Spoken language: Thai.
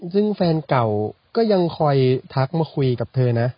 ซึ่งแฟนเก่าก็ยังคอยทักมาคุยกับเธอนะ